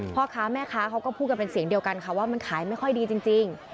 พ่อค้าแม่ค้าเขาก็พูดกันเป็นเสียงเดียวกันค่ะว่ามันขายไม่ค่อยดีจริง